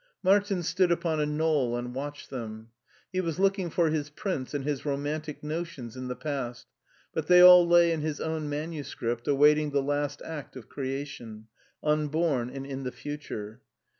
Martin stood upon a knoll and watched them. He was looking for his prince and his romantic notions in the past, but they all lay in his own manuscript awaiting the last act of creation: unborn and in the future.